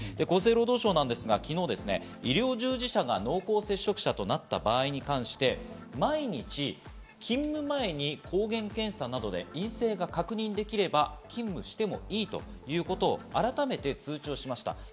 厚生労働省ですが昨日、医療従事者が濃厚接触者となった場合に関して、毎日、勤務前に抗原検査などで陰性が確認できれば勤務してもいいということを改めて通知しました。